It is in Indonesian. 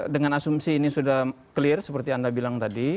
dengan asumsi ini sudah clear seperti anda bilang tadi